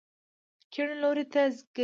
کیڼ لوري ته ګرځئ